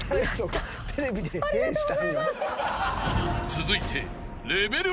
［続いて］